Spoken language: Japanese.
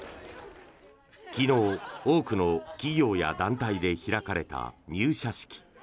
昨日、多くの企業や団体で開かれた入社式。